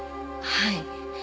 はい。